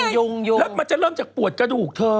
นี่ไงแล้วมันจะเริ่มจากปวดกระดูกเธอ